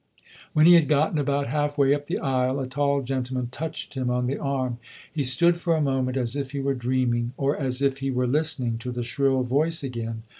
When he had gotten about half way up the aisle, a tall gentleman touched him on the arm. He stood for a moment as if he were dreaming or as if he were listening to the shrill voice again.